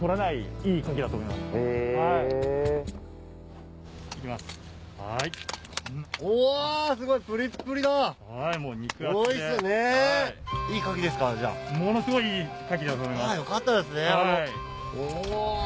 よかったですねおぉ。